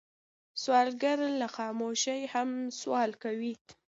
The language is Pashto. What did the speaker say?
سوالګر له خاموشۍ هم سوال کوي